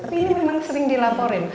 tapi ini memang sering dilaporin